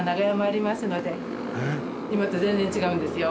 今と全然違うんですよ。